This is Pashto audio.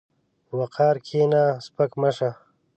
په وقار کښېنه، سپک مه شه.